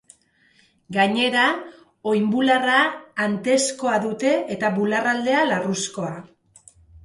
Gainera, oinbularra antezkoa dute eta barrualdea larruzkoa.